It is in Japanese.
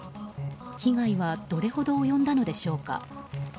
被害はどれほど及んだのでしょうか。